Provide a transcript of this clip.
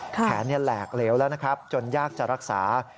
แขนแหลกเหลวแล้วนะครับจนยากจะรักษา